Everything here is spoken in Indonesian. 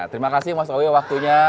terima kasih mas owi waktunya